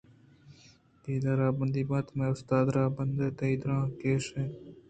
اگاں ردی بنت مئے استاد ءُ رھدبر تئی ردیاں کشّ ایت ءُ تئی کُمک ءَ کنت